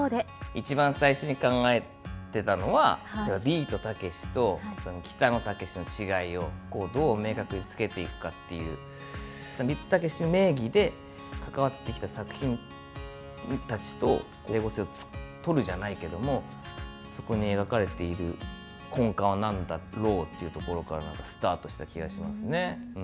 一番最初に考えてたのは、ビートたけしと北野武の違いをどう明確につけていくかっていう、ビートたけし名義で関わってきた作品たちと、整合性を取るじゃないけども、そこに描かれている根幹はなんだろうっていうところから、スタートした気がしますね。